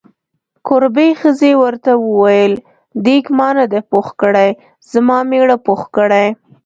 کوربې ښځې ورته وویل: دیګ ما نه دی پوخ کړی، زما میړه پوخ کړی.